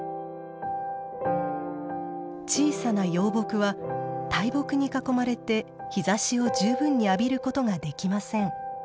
小さな幼木は大木に囲まれて日ざしを十分に浴びることができません。